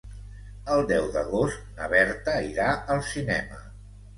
El deu d'agost na Berta irà al cinema.